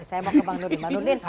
saya mau ke bang nurdin